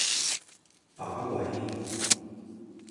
把鬼!